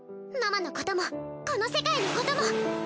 ママのこともこの世界のことも！